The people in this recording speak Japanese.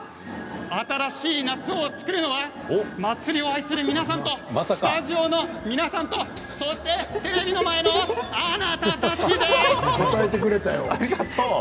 新しい夏を作るのは祭りを愛する皆さんとスタジオの皆さんとそしてテレビの前のあなたたちです！